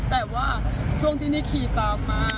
แต่ว่าช่วงที่นี่ขี่ตามมา